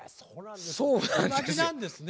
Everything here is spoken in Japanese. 同じなんですね